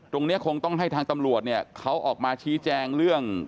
ตรงนี้คงต้องให้ทางตำรวจเนี่ยเขาออกมาชี้แจงเรื่อง